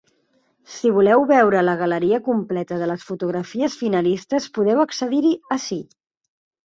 Si voleu veure la galeria completa de les fotografies finalistes podeu accedir-hi ací.